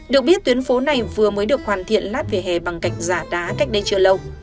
được biết tuyến phố này vừa mới được hoàn thiện lát vỉa hè bằng gạch giả đá cách đây chưa lâu